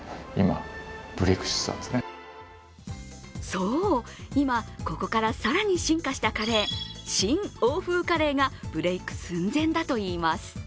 そう、今、ここから更に進化したカレー、新欧風カレーがブレーク寸前だといいます。